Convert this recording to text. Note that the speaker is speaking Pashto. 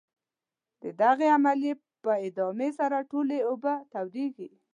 د دغې عملیې په ادامې سره ټولې اوبه تودیږي.